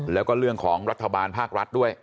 แล้วก็เรื่องของรัฐบาลภาครัฐด้วย